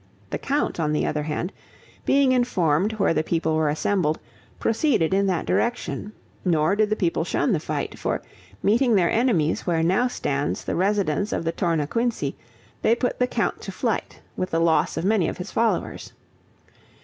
The count, on the other hand, being informed where the people were assembled, proceeded in that direction; nor did the people shun the fight, for, meeting their enemies where now stands the residence of the Tornaquinci, they put the count to flight, with the loss of many of his followers.